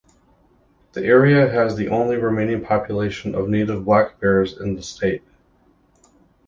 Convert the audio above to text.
The area has the only remaining population of native black bears in the state.